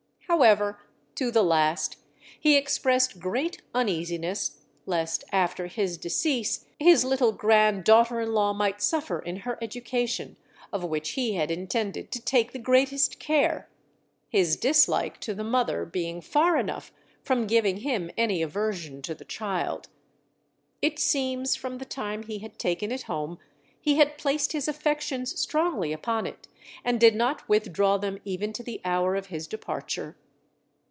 However, to the last he expressed great uneasiness lest after his decease his little grand daughter in law might suffer in her education, of which he had intended to take the greatest care; his dislike to the mother being far enough from giving him any aversion to the child. It seems from the time he had taken it home he had placed his affections strongly upon it, and did not withdraw them even to the hour of his departure.